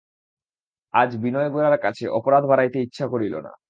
আজ বিনয় গোরার কাছে অপরাধ বাড়াইতে ইচ্ছা করিল না।